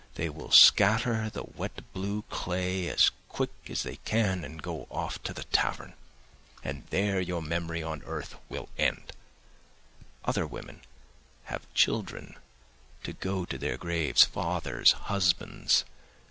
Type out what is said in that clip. They will scatter the wet blue clay as quick as they can and go off to the tavern ... and there your memory on earth will end; other women have children to go to their graves, fathers, husbands.